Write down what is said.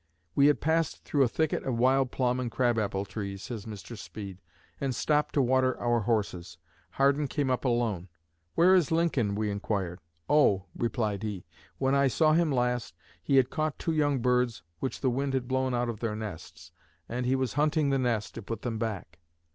"We had passed through a thicket of wild plum and crab apple trees," says Mr. Speed, "and stopped to water our horses. Hardin came up alone. 'Where is Lincoln?' we inquired. 'Oh,' replied he, 'when I saw him last he had caught two young birds which the wind had blown out of their nests, and he was hunting the nest to put them back.'